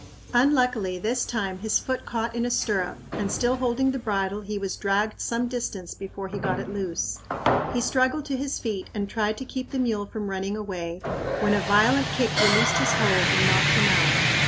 Unluckily, this time his foot caught in a stirrup and, still holding the bridle, he was dragged some distance before he got it loose. He struggled to his feet and tried to keep the mule from running away, when a violent kick released his hold and knocked him out.